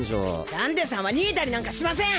ダンデさんは逃げたりなんかしません！